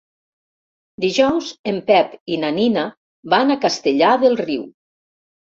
Dijous en Pep i na Nina van a Castellar del Riu.